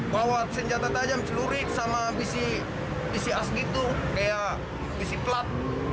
bawa senjata tajam celurik sama bisi as gitu kayak bisi plat